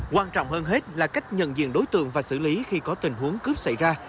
quan trọng hơn hết là cách nhận diện đối tượng và xử lý khi có tình huống cướp xảy ra